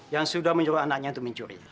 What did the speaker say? yang sudah menyuruh anaknya untuk mencuri